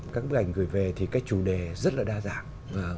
các bức ảnh gửi về thì các chủ đề rất là đa dạng